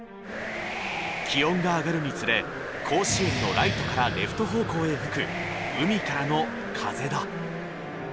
気温が上がるにつれ甲子園のライトからレフト方向へ吹く海からの風だ。